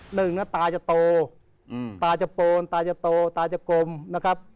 หนึ่งนะตาจะโตอืมตาจะโปนตาจะโตตาจะกลมนะครับ